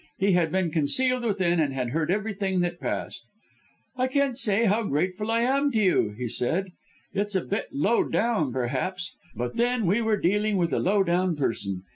He had been concealed within and had heard everything that passed. "'I can't say how grateful I am to you,' he said. 'It's a bit low down, perhaps, but, then, we were dealing with a low down person.